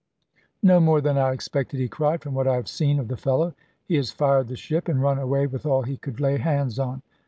"No more than I expected," he cried, "from what I have seen of the fellow; he has fired the ship, and run away with all he could lay hands on.